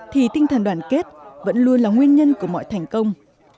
thì tinh thần đoàn kết vẫn luôn là nguyên nhân của mọi thành công